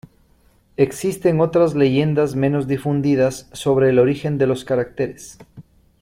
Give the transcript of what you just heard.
Existen otras leyendas menos difundidas sobre el origen de los caracteres.